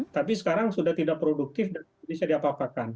tapi sekarang sudah tidak produktif dan bisa diapapakan